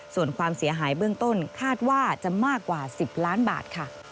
ส่วนความเสียหายเบื้องต้นคาดว่าจะมากกว่า๑๐ล้านบาทค่ะ